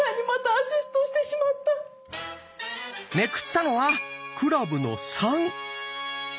めくったのは「クラブの３」。